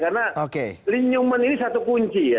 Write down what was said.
karena lenyuman ini satu kunci ya